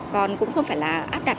còn cũng không phải là áp đặt